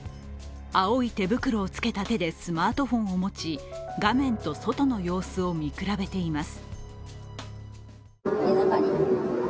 青い手袋をつけた手でスマートフォンを持ち、画面と外の様子を見比べています。